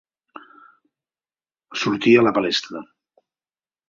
Sortir a la palestra.